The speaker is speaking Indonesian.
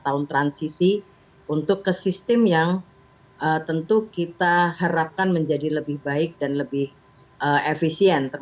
tahun transisi untuk ke sistem yang tentu kita harapkan menjadi lebih baik dan lebih efisien